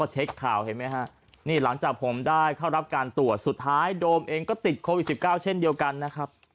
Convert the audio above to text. เช็คข่าวเห็นไหมฮะนี่หลังจากผมได้เข้ารับการตรวจสุดท้ายโดมเองก็ติดโควิด๑๙เช่นเดียวกันนะครับ